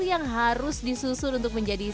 yang harus disusun untuk menjadi